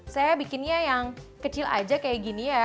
saya bikinnya yang kecil aja kayak gini ya